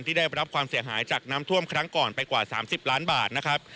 ได้รับความเสียหายจากน้ำท่วมครั้งก่อนไปกว่า๓๐ล้านบาทนะครับ